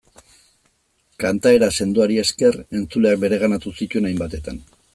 Kantaera sendoari esker, entzuleak bereganatu zituen hainbatetan.